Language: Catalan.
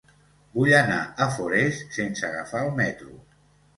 Vull anar a Forès sense agafar el metro.